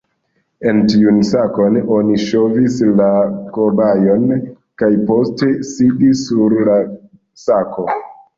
En tiun sakon oni ŝovis la kobajon, kaj poste sidis sur la sako.